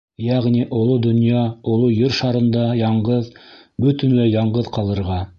Йәғни оло донъя, оло Ер шарында яңғыҙ, бөтөнләй Яңғыҙ ҡалырға.